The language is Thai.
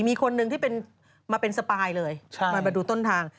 มีคนหนึ่งที่มาเป็นสปายเลยมาดูต้นทาง